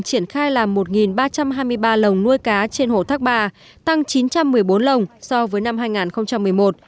triển khai là một ba trăm hai mươi ba lồng nuôi cá trên hồ thác bà tăng chín trăm một mươi bốn lồng so với năm hai nghìn một mươi một